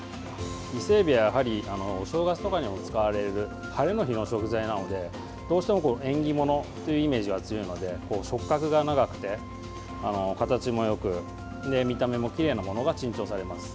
伊勢えびは、やはりお正月とかにも使われる晴れの日の食材なのでどうしても縁起ものというイメージが強いので触覚が長くて、形もよく見た目もきれいなものが珍重されます。